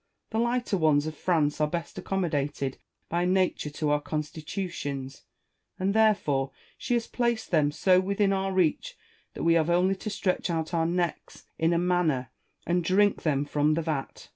The lighter ones of Prance are best accommodated by Nature to our constitutions, and therefore she has placed them so within our reach that we have only to stretch out our necks, in a manner, and drink them from the vat.